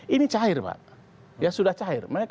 ini cair pak ya sudah cair mereka